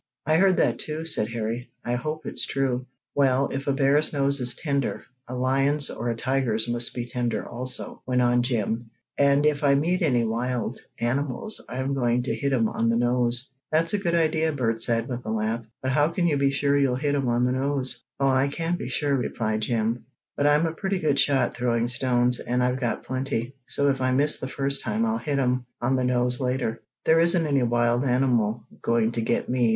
"I heard that, too," said Harry. "I hope it's true." "Well, if a bear's nose is tender, a lion's or a tiger's must be tender also," went on Jim, "and if I meet any wild animals I'm going to hit 'em on the nose." "That's a good idea," Bert said, with a laugh. "But how can you be sure you'll hit 'em on the nose?" "Oh, I can't be sure," admitted Jim, "but I'm a pretty good shot throwing stones, and I've got plenty, so if I miss the first time I'll hit 'em on the nose later. There isn't any wild animal going to get me.